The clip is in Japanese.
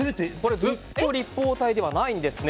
ずっと立方体ではないんですね。